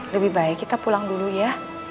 lebih baik kita pulang dulu ya